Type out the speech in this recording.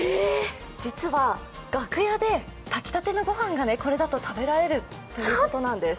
実は楽屋で炊きたての御飯がこれだと食べられるということなんです。